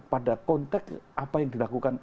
pada konteks apa yang dilakukan